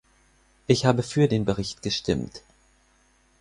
Ich habe für den Bericht gestimmt.